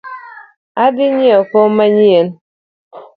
Adhi nyieo kom manyien